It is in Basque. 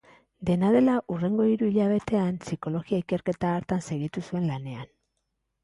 Dena dela, hurrengo hiru hilabetean psikologia ikerketa hartan segitu zuen lanean.